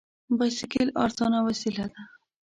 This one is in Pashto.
بایسکل ارزانه وسیله ده.